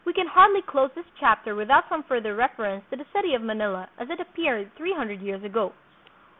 We can hardly close this chapter without some further ref erence to the city of Manila as it appeared three hundred years ago.